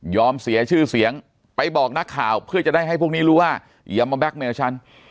เสียชื่อเสียงไปบอกนักข่าวเพื่อจะได้ให้พวกนี้รู้ว่าอย่ามาแก๊กเมลฉัน